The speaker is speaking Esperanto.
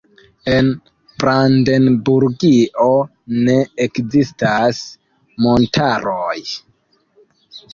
En Brandenburgio ne ekzistas montaroj.